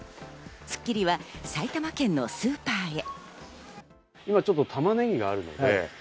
『スッキリ』は埼玉県のスーパーへ。